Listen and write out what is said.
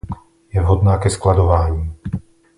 Je vhodná ke skladování.